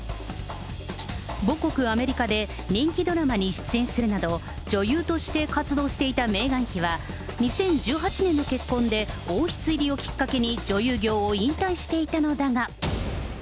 母国アメリカで、人気ドラマに出演するなど、女優として活動していたメーガン妃は、２０１８年の結婚で王室入りをきっかけに女優業を引退していたのだが。